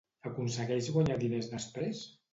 Aconsegueix guanyar diners després?